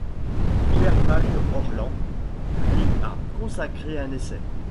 Pierre Mac-Orlan lui a consacré un essai.